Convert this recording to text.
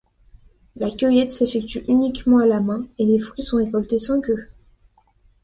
La cueillette s’effectue uniquement à la main et les fruits sont récoltés sans queue.